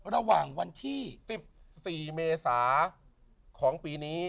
ระหว่างวันที่๑๔เมษาของปีนี้